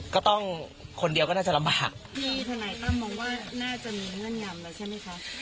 ก็ต้องคนเดียวก็น่าจะลำบากที่ทนายตั้มมองว่าน่าจะมีเงื่อนงำแล้วใช่ไหมคะ